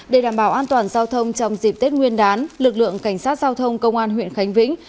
để đảm bảo an toàn giao thông trong dịp tết nguyên đán lực lượng cảnh sát giao thông công an huyện khánh vĩnh